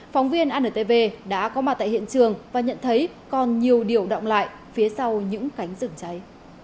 phóng viên antv đã có mặt tại hiện trường và nhận thấy còn nhiều điều động lại phía sau những cánh rừng cháy